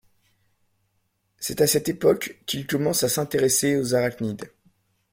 C’est à cette époque qu’il commence à s’intéresser aux arachnides.